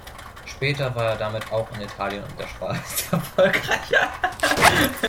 Später war er damit auch in Italien und der Schweiz erfolgreich.